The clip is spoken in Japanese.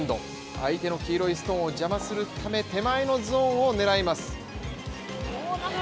相手の黄色いストーンを邪魔するため手前のゾーンを狙います。